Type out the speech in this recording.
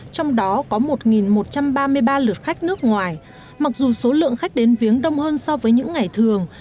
trong đó có một một trăm ba mươi ba lượt khách nước ngoài mặc dù số lượng khách đến viếng đông hơn so với những ngày thường